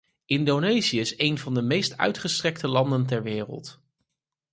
Indonesië is één van de meest uitgestrekte landen ter wereld.